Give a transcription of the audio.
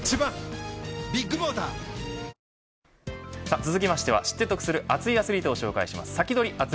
続きましては、知って得する熱いアスリートを紹介しますサキドリ！